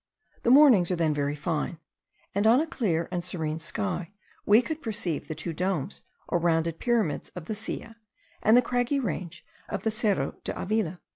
The mornings are then very fine; and on a clear and serene sky we could perceive the two domes or rounded pyramids of the Silla, and the craggy ridge of the Cerro de Avila.